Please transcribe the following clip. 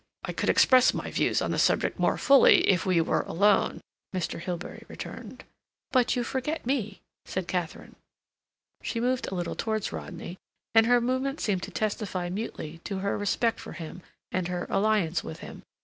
"I could express my views on the subject more fully if we were alone," Mr. Hilbery returned. "But you forget me," said Katharine. She moved a little towards Rodney, and her movement seemed to testify mutely to her respect for him, and her alliance with him.